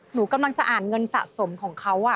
หนูกำลังจะอ่านเงินสะสมของเขา